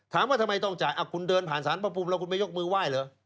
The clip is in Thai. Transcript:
ถามว่าทำไมต้องจ่ายคุณเดินผ่านสารพระภูมิแล้วคุณไม่ยกมือไหว้เหรอ